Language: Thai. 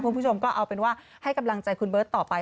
คุณผู้ชมก็เอาเป็นว่าให้กำลังใจคุณเบิร์ตต่อไป